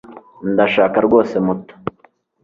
Ndashaka rwose moto